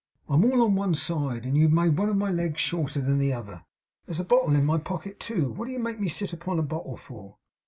I'm all on one side; and you've made one of my legs shorter than the other. There's a bottle in my pocket too. What do you make me sit upon a bottle for?